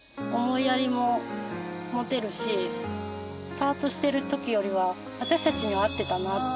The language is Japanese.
パートしてる時よりは私たちには合ってたなって。